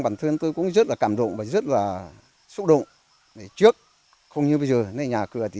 bản thân tôi cũng rất là cảm động và rất là xúc động trước không như bây giờ nơi nhà cửa thì